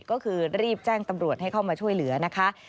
ก็คือรีบแจ้งตำรวจให้เข้ามาช่วยเหลือนะคะ